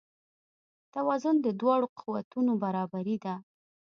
توازن د دواړو قوتونو برابري ده.